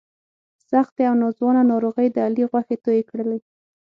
سختې او ناځوانه ناروغۍ د علي غوښې تویې کړلې.